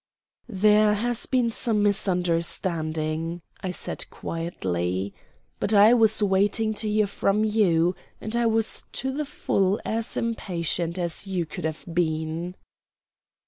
"There has been some misunderstanding," I said quietly. "But I was waiting to hear from you, and I was to the full as impatient as you could have been."